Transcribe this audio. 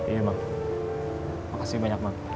iya mak makasih banyak mak